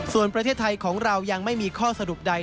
ส่วนประเทศไทยของเรายังไม่มีข้อสรุปใด